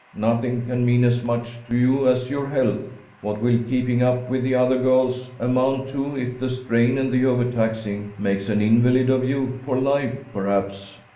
Nothing can mean as much to you as your health. What will keeping up with the other girls amount to if the strain and the overtaxing makes an invalid of you for life, perhaps?